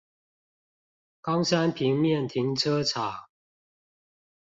岡山平面停車場